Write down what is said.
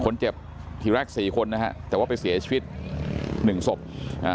คนเจ็บทีแรกสี่คนนะฮะแต่ว่าไปเสียชีวิตหนึ่งศพอ่า